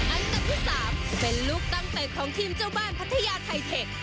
อันดับที่๓เป็นลูกตั้งแต่ของทีมเจ้าบ้านพัทยาไทเทค